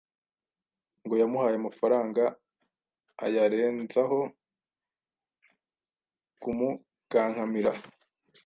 Ngo yamuhaye amafaranga, ayarenzaho kumukankamira